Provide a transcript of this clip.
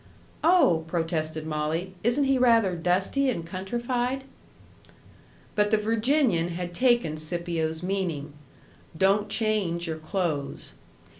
"Oh!" protested Molly, "isn't he rather dusty and countrified?" But the Virginian had taken Scipio's meaning. "DON'T CHANGE YOUR CLOTHES."